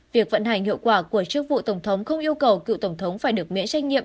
việc vận hành hiệu quả của chức vụ tổng thống không yêu cầu cựu tổng thống phải được miễn trách nhiệm